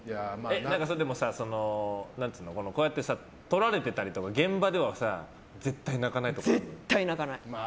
でもさ、こうやって撮られてたりとか現場では絶対泣かないとかは。